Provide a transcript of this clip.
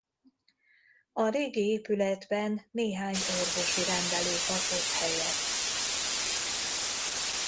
A régi épületben néhány orvosi rendelő kapott helyet.